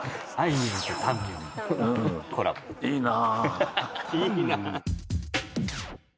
いいな。